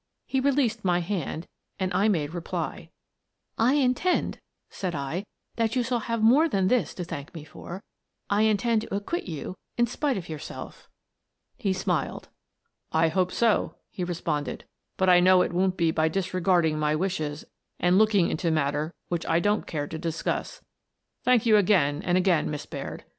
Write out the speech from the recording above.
He released my hand, and I made reply: " I intend," said I, " that you shall have more than this to thank me for: I intend to acquit you in spite of yourself." "Thou Art the Man 143 He smiled. " I hope so," he responded, " but I know it won't be by disregarding my wishes and looking into mat ter which I don't care to discuss. Thank you, again and again, Miss Baird.